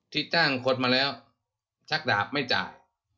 ที่จ้างคนมาแล้วชักดาบไม่จ่าย